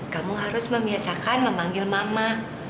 kamu harus membiasakan memanggil mama